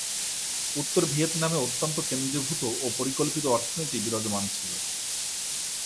উত্তর ভিয়েতনামে অত্যন্ত কেন্দ্রীভূত ও পরিকল্পিত অর্থনীতি বিরাজমান ছিল।